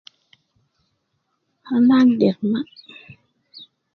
Ana agder ma